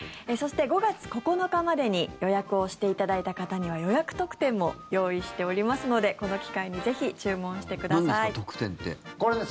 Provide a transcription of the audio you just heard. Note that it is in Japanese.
そして、５月９日までに予約をしていただいた方には予約特典も用意しておりますのでこの機会にぜひ注文してください。